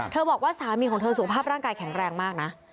บอกว่าสามีของเธอสุขภาพร่างกายแข็งแรงมากนะ